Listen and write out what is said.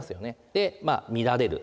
でまあ乱れる。